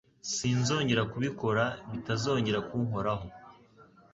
Sinzongera kubikora bita zojyera kunkoraho.